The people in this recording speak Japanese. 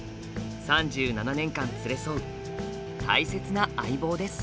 ３７年間連れ添う大切な相棒です。